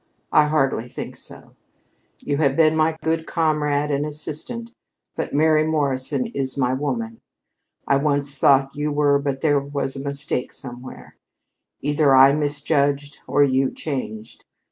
I hardly think so. You have been my good comrade and assistant; but Mary Morrison is my woman. I once thought you were, but there was a mistake somewhere. Either I misjudged, or you changed.